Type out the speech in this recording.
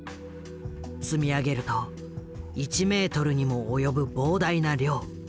積み上げると１メートルにも及ぶ膨大な量。